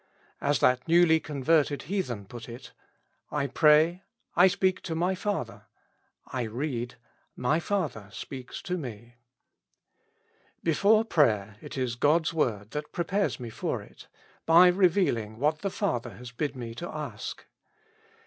As that newly converted heathen put it : I pray — I speak to my father ; I read — my Father speaks to me. Before prayer, it is God's word that prepares me for it, by revealing what the Father has bid me ask.